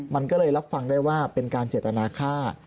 มันก็เลยรับฟังได้ว่าเป็นการเจตนาค่า